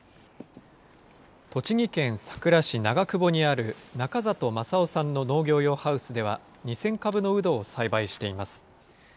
栃木県さくら市長久保にある中里正夫さんの農業用ハウスでは、２０００株のウドを栽培しています。